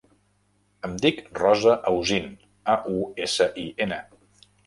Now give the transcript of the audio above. Em dic Rosa Ausin: a, u, essa, i, ena.